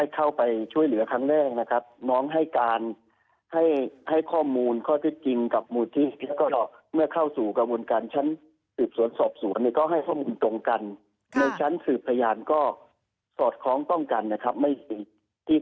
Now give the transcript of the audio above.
ก็ตรงตามเป็นข่าวและก็ตรงตามที่